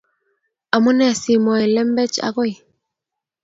Amune simwoe lembechek agoi